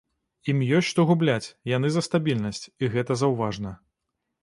Ім ёсць што губляць, яны за стабільнасць, і гэта заўважна.